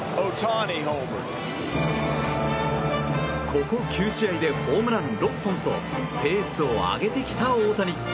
ここ９試合でホームラン６本とペースを上げてきた大谷。